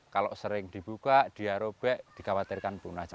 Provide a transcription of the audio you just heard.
kalau sering dibuka dia robek dikhawatirkan punah